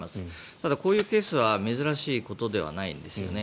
ただ、こういうケースは珍しいことではないんですよね。